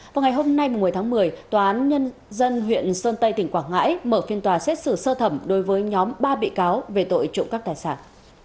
vào ngày hôm nay một mươi tháng một mươi tòa án nhân dân huyện sơn tây tỉnh quảng ngãi mở phiên tòa xét xử sơ thẩm đối với nhóm ba bị cáo về tội trộm cắp tài sản